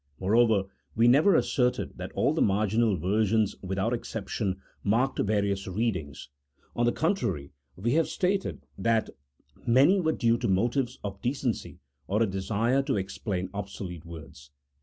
Moreover, we never asserted that all the marginal versions, without exception, marked various readings ; on the con trary, we have stated that many were due to motives of decency or a desire to explain obsolete words.